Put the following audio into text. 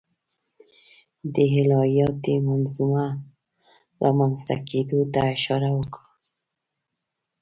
د الهیاتي منظومو رامنځته کېدو ته اشاره وکړو.